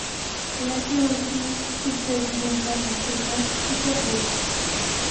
La théorie montre qu'il s'agit d'une forme en sécante hyperbolique.